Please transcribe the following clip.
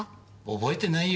覚えてないよ